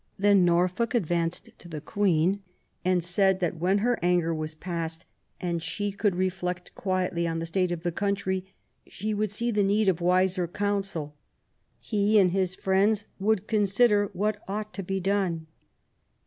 Then Norfolk advanced to the Queen and said that when her anger was past, and she could reflect quietly on the state of the country, she would see the need of wiser counsel ; he and his friends would consider what ought to be done.